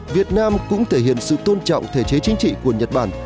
việt nam cũng thể hiện sự tôn trọng thể chế chính trị của nhật bản